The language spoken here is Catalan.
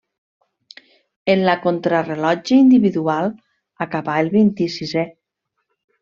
En la contrarellotge individual acabà el vint-i-sisè.